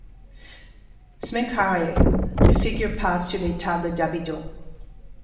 Smenkhkarê ne figure pas sur les tables d'Abydos.